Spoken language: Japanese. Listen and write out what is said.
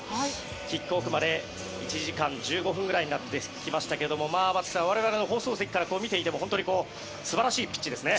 キックオフまで１時間１５分ぐらいになってきましたけど松木さん我々の放送席から見ていても本当に素晴らしいピッチですね。